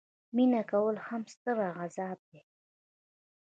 مینه کول هم ستر عذاب دي.